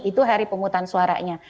itu hari pemungutan suaranya